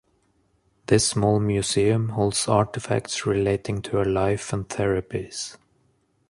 This small museum holds artefacts relating to her life and therapies.